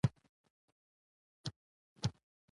له خطر څخه د ځان ساتلو لپاره په برېښنایي دورو کې فیوز وکاروئ.